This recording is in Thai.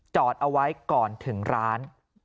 จอดเอาไว้ก่อนถึงร้าน